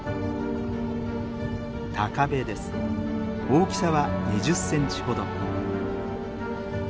大きさは２０センチほど。